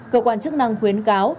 cơ quan chức năng khuyến cáo